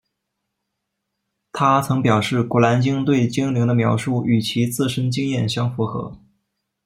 她曾表示古兰经对精灵的描述与其自身经验相符合。